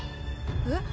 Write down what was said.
えっ？